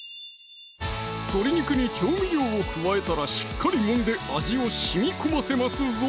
鶏肉に調味料を加えたらしっかりもんで味を染みこませますぞ